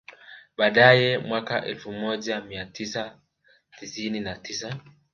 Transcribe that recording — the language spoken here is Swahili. Baadae mwaka elfu moja mia tisa tisini na tisa